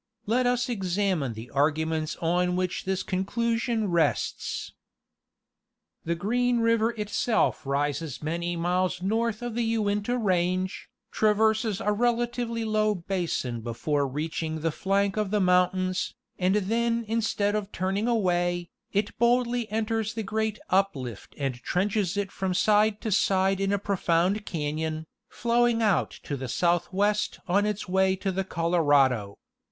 Let us examine the argu ments on which this conclusion rests. The Green river itself rises many miles north of the Uinta range, traverses a relatively low basin before reaching the flank of the mountains, and then instead of turning away, it boldly en ters the great uplift and trenches it from side to side in a pro found cajion, flowing out to the southwest on its way to the Colo rado.